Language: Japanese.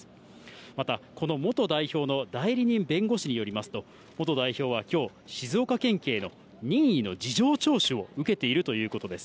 またこの元代表の代理人弁護士によりますと、元代表はきょう、静岡県警の任意の事情聴取を受けているということです。